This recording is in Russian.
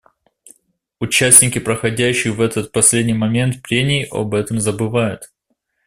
Участники проходящих в этот последний момент прений об этом забывают.